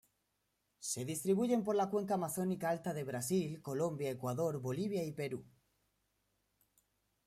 Se distribuyen por la cuenca amazónica alta de Brasil, Colombia, Ecuador, Bolivia y Perú.